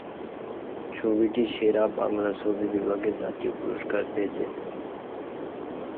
ছবিটি সেরা বাংলা ছবি বিভাগে জাতীয় পুরস্কার পেয়েছে।